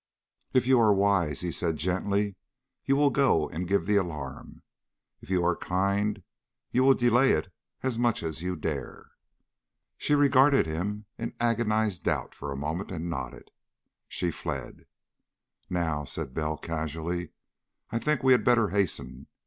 "If you are wise," he said gently, "you will go and give the alarm. If you are kind, you will delay it as much as you dare." She regarded him in agonized doubt for a moment, and nodded. She fled. "Now," said Bell casually, "I think we had better hasten.